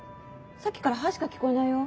さっきから「はい」しか聞こえないよ？